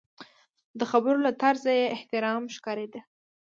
د خبرو له طرزه یې احترام ښکارېده.